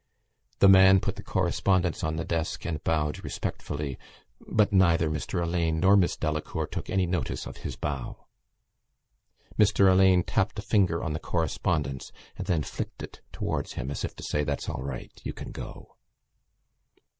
The man put the correspondence on the desk and bowed respectfully but neither Mr Alleyne nor Miss Delacour took any notice of his bow. Mr Alleyne tapped a finger on the correspondence and then flicked it towards him as if to say: _"That's all right: you can go."